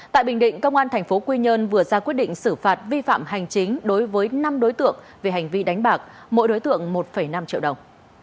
tại bình định công an tp quy nhơn vừa ra quyết định xử phạt vi phạm hành chính đối với năm đối tượng về hành vi đánh bạc mỗi đối tượng một năm triệu đồng